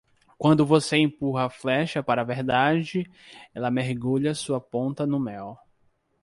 Quando você empurra a flecha para a verdade, ela mergulha sua ponta no mel.